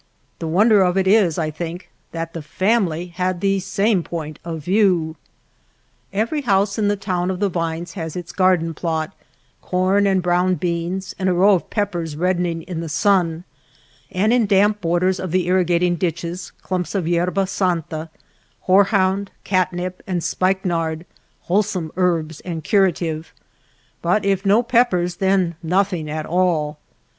The wonder of it is, I think, that the family had the same point of view. Every house in the town of the vines has its garden pldt, corn and brown beans and 270 THE LITTLE TOWN OF THE GRAPE VINES a row of peppers reddening in the sun ; and in damp borders of the irrigating ditches clumps of yerba santa, horehound, catnip, and spikenard, wholesome herbs and cura tive, but if no peppers then nothing at all.